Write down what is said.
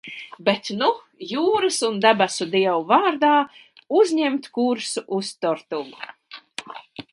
Bet nu jūras un debesu dievu vārdā uzņemt kursu uz Tortugu!